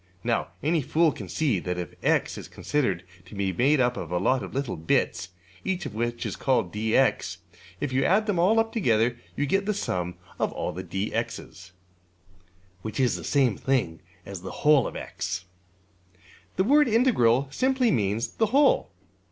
'' Now any fool can see that if $x$~is considered as made up of a lot of little bits, each of which is called~$dx$, if you add them all up together you get the sum of all the~$dx$'s, (which is the same thing as the whole of~$x$). The word ``integral'' simply means ``the whole.''